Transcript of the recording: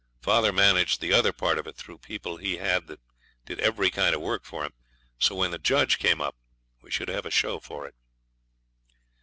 Father managed the other part of it through people he had that did every kind of work for him; so when the judge came up we should have a show for it.